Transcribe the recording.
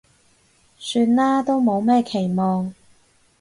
算啦，都冇咩期望